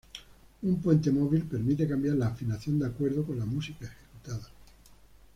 Un puente móvil permite cambiar la afinación de acuerdo con la música ejecutada.